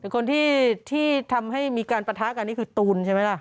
คนที่ทำให้มีการปะทะกันนี่คือตูนใช่ไหมล่ะ